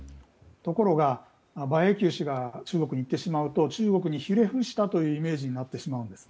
ところが、馬英九氏が中国に行ってしまうと中国にひれ伏したというイメージになってしまうんです。